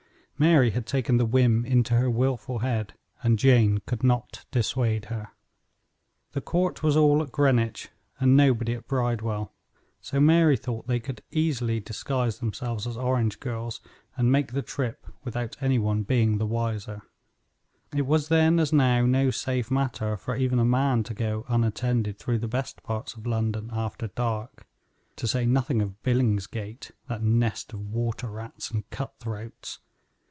Mary had taken the whim into her wilful head, and Jane could not dissuade her. The court was all at Greenwich, and nobody at Bridewell, so Mary thought they could disguise themselves as orange girls and easily make the trip without any one being the wiser. It was then, as now, no safe matter for even a man to go unattended through the best parts of London after dark, to say nothing of Billingsgate, that nest of water rats and cut throats.